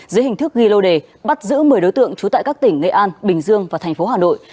dưới hình thức ghi lô đề bắt giữ một mươi đối tượng trú tại các tỉnh nghệ an bình dương và thành phố hà nội